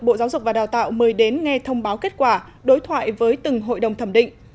bộ giáo dục và đào tạo mời đến nghe thông báo kết quả đối thoại với từng hội đồng thẩm định